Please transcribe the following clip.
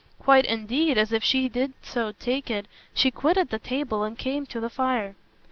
Quite indeed as if she did so take it she quitted the table and came to the fire.